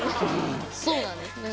そうなんですね。